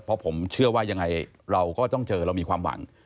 เพราะผมเชื่อว่ายังไงเราก็ต้องเจอเรามีความหวัง